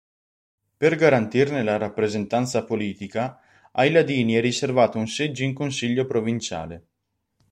Per garantirne la rappresentanza politica, ai ladini è riservato un seggio in consiglio provinciale.